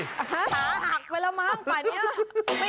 ขาหักไปแล้วมั้งป่านนี้